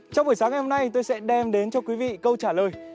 trong buổi sáng ngày hôm nay tôi sẽ đem đến cho quý vị câu trả lời